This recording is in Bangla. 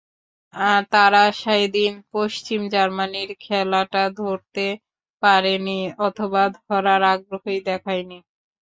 তারা সেদিন পশ্চিম জার্মানির খেলাটা ধরতে পারেনি অথবা ধরার আগ্রহই দেখায়নি।